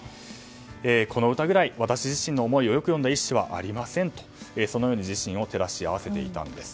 この歌ぐらい私自身の思いをよく詠んだ一首はありませんとそのように自身を照らし合わせていたんです。